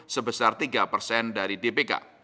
sebesar tiga persen dari dpk